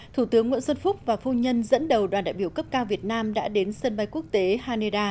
thủ tướng nguyễn xuân phúc và phu nhân dẫn đầu đoàn đại biểu cấp cao việt nam đã đến sân bay quốc tế haneda